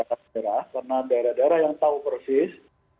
karena daerah daerah yang tahu persis